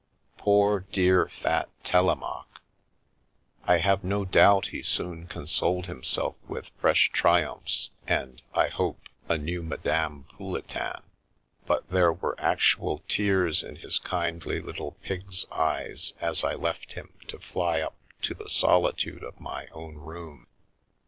Poor dear, fat Telemaque — I have no doubt he soon consoled him self with fresh triumphs and, I hope, a new Madame Pouletin, but there were actual tears in his kindly little pig's eyes as I left him to fly up to the solitude of my own room.